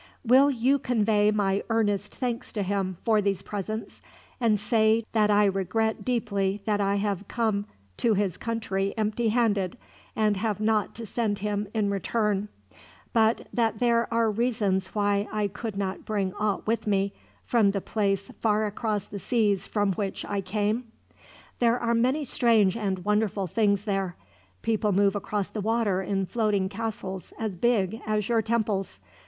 "Will you convey my earnest thanks to him for these presents, and say that I regret deeply that I have come to his country empty handed, and have naught to send him in return; but that there are reasons why I could not bring aught with me, from the place far across the seas from which I came? There are many strange and wonderful things there. People move across the water in floating castles as big as your temples.